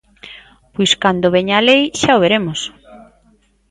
Pois cando veña a lei, xa o veremos.